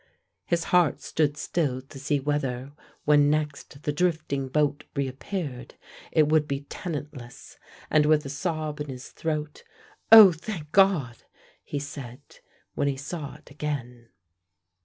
His heart stood still to see whether when next the drifting boat reappeared it would be tenantless, and with a sob in his throat, "Oh, thank God," he said, when he saw it again.